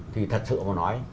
thì thật sự mà nói